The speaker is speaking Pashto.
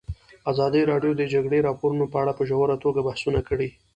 ازادي راډیو د د جګړې راپورونه په اړه په ژوره توګه بحثونه کړي.